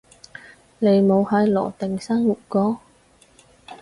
你冇喺羅定生活過